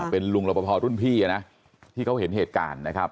เป็นลุงรบพอรุ่นพี่นะที่เขาเห็นเหตุการณ์นะครับ